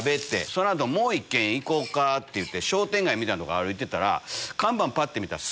その後もう１軒行こうかって商店街みたいなとこ歩いてたら看板ぱって見たら。